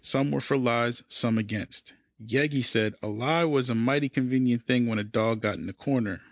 Some were for lies, some against. Yeggie said a lie was a mighty convenient thing when a dog got in a corner.